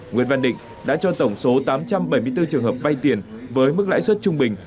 nguyễn văn định đã cho tổng số tám trăm bảy mươi bốn trường hợp vay tiền với mức lãi suất trung bình